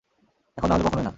এখন না হলে কখনোই না।